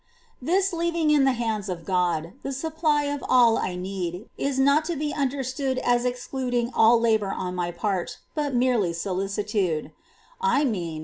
^ 17. This leaving in the hands of God the supply of all I need is not to be understood as excluding all labour on my part, but merely solicitude — I mean, the solicitude ^ See § 3, above.